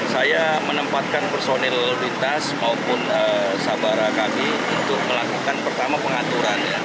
saya menempatkan personil lintas maupun sabara kami untuk melakukan pertama pengaturan